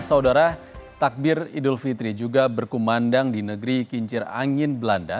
saudara takbir idul fitri juga berkumandang di negeri kincir angin belanda